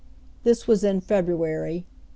This was in February, 1865.